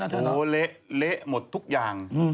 โถเละหมดทุกอย่าง